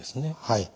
はい。